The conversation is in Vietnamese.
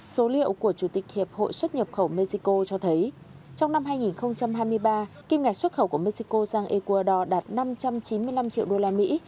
số liệu của chủ tịch hiệp hội xuất nhập khẩu mexico cho thấy trong năm hai nghìn hai mươi ba kim ngạch xuất khẩu của mexico sang ecuador đạt năm trăm chín mươi năm triệu đô la mỹ